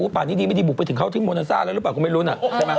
ไม่ได้บุกไปถึงเข้าที่โมนัสซ่าหรือเปล่าคุณไม่รู้น่ะ